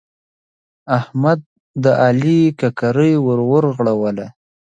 احمد د علي ککرۍ ور ورغړوله.